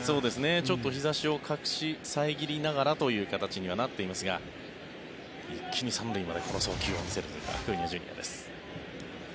ちょっと日差しを隠して遮りながらという形になっていますが一気に３塁までこの送球を見せるというアクーニャＪｒ．です。